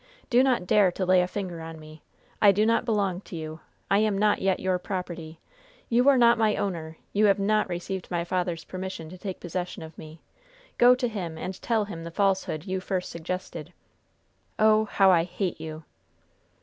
Do not dare to lay a finger on me! I do not belong to you! I am not yet your property! You are not my owner! You have not received my father's permission to take possession of me! Go to him and tell him the falsehood you first suggested! Oh! how I hate you!"